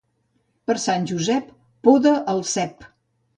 Per Sant Josep, poda el cep.